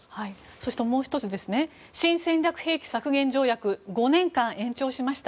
そしてもう１つ新戦略兵器削減条約５年間延長しました。